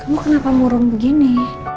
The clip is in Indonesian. kamu kenapa murung begini